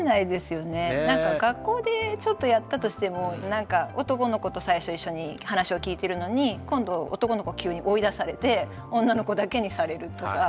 なんか学校でちょっとやったとしてもなんか男の子と最初一緒に話を聞いてるのに今度男の子は急に追い出されて女の子だけにされるとか。